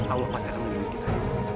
allah pasti akan memilih kita